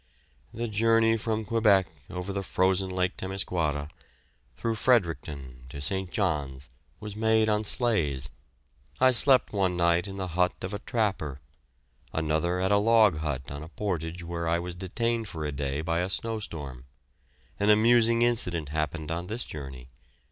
The journey from Quebec over the frozen lake Temiscuata, through Fredericton to St. John's, was made on sleighs. I slept one night in the hut of a trapper, another at a log hut on a portage where I was detained for a day by a snowstorm. An amusing incident happened on this journey.